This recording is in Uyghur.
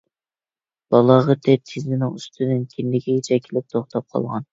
بالاغىتى تىزىنىڭ ئۈستىدىن كىندىكىگىچە كېلىپ توختاپ قالغان.